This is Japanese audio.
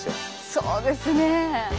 そうですね。